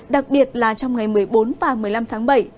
đặc biệt là trong ngày một mươi bốn và một mươi năm tháng bảy